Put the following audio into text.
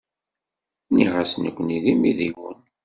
Nniɣ-as nekkni d imidiwen.